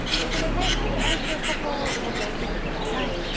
それで軽く底を焼きつけてください。